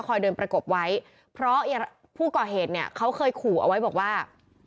เดินประกบไว้เพราะผู้ก่อเหตุเนี่ยเขาเคยขู่เอาไว้บอกว่า